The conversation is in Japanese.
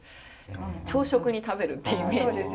朝食に食べるってイメージです。